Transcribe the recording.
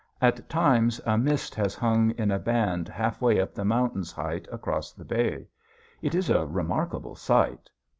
At times a mist has hung in a band halfway up the mountain's height across the bay. It is a remarkable sight.